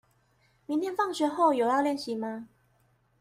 明天放學後有要練習嗎？